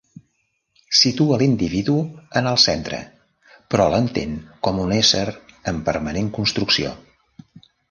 Situa a l'individu en el centre, però l'entén com un ésser en permanent construcció.